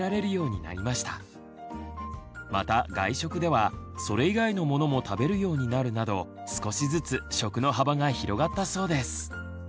また外食ではそれ以外のものも食べるようになるなど少しずつ食の幅が広がったそうです。